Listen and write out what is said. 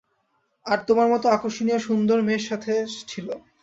আর তোমার মতো আকর্ষণীয় সুন্দর মেয়ে সাথে ছিল।